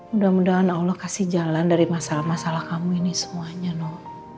mudah mudahan allah kasih jalan dari masalah masalah kamu ini semuanya nok